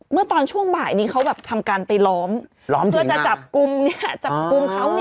เมื่อตอนช่วงบ่ายนี้เขาแบบทำการไปล้อมล้อมถึงจะจับกุมเนี้ยจับกุมเขาเนี้ยค่ะ